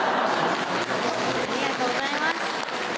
ありがとうございます